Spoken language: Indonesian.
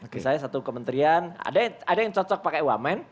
misalnya satu kementerian ada yang cocok pakai wamen